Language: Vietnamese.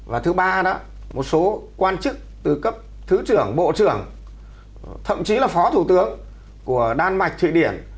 và thứ ba đó một số quan chức từ cấp thứ trưởng bộ trưởng thậm chí là phó thủ tướng của đan mạch thụy điển